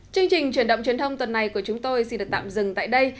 chương trình truyền động truyền thông tuần này của chúng tôi xin được tạm dừng tại đây